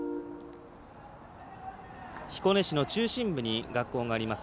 彦根市の中心部に学校があります